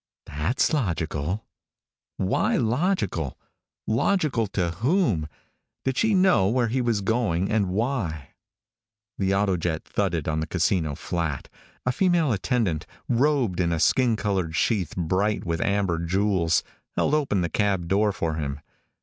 "That's logical." Why logical? Logical to whom? Did she know where he was going and why? The autojet thudded on the casino flat. A female attendant, robed in a skin colored sheath bright with amber jewels, held open the cab door for him.